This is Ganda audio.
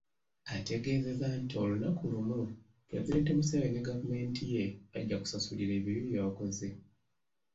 Ategeezezza nti olunaku lumu Pulezidenti Museveni ne gavumenti ye bajja kusasulira ebibi bye bakoze.